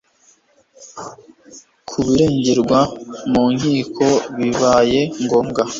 kubiregerwa mu nkiko bibaye ngombwa